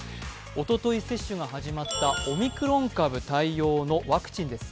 おととい接種が始まったオミクロン株対応のワクチンです。